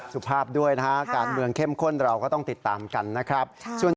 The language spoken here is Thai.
สุภาพด้วยนะฮะการเมืองเข้มข้นเราก็ต้องติดตามกันนะครับ